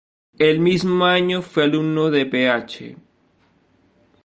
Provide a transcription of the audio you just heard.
El mismo año fue alumno de Ph.